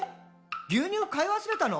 牛乳買い忘れたの？」